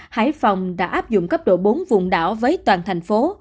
hải phòng đã áp dụng cấp độ bốn vùng đảo với toàn thành phố